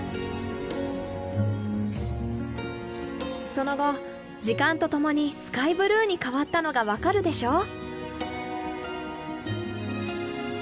その後時間とともにスカイブルーに変わったのが分かるでしょう。